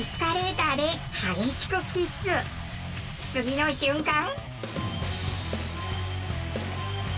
次の瞬間。